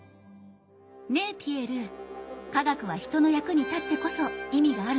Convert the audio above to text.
ねえピエール科学は人の役に立ってこそ意味があるのよね？